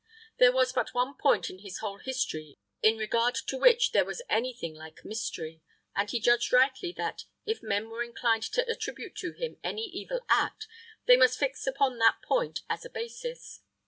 There was but one point in his whole history in regard to which there was any thing like mystery, and he judged rightly that, if men were inclined to attribute to him any evil act, they must fix upon that point as a basis.